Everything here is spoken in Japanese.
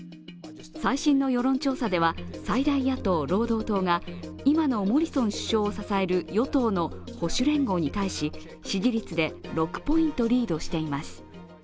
最新の世論調査では最大野党・労働党が今のモリソン首相を支える与党の保守連合に対し、支持率で６ポイントリードしています。